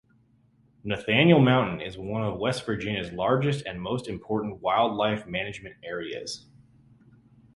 Nathaniel Mountain is one of West Virginia's largest and most important wildlife management areas.